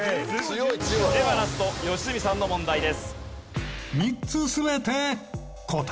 ではラスト良純さんの問題です。